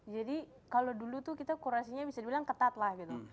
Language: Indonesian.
jadi kalau dulu tuh kita kurasinya bisa dibilang ketat lah gitu